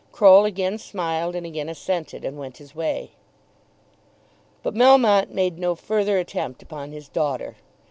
Croll again smiled, and again assented, and went his way. But Melmotte made no further attempt upon his daughter.